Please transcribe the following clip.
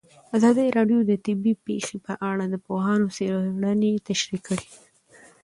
ازادي راډیو د طبیعي پېښې په اړه د پوهانو څېړنې تشریح کړې.